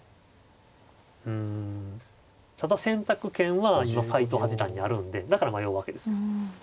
うんただ選択権は今斎藤八段にあるんでだから迷うわけです。